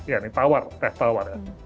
ya ini tawar teh tawar ya